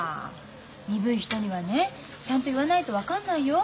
鈍い人にはねちゃんと言わないと分かんないよ。